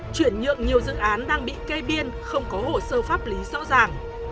chuyển nhượng nhiều dự án đang bị cây biên không có hồ sơ pháp lý rõ ràng